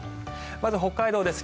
まず北海道です。